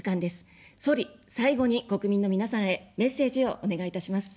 総理、最後に国民の皆さんへメッセージをお願いいたします。